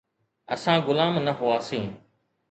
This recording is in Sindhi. اسان غلام نه هئاسين.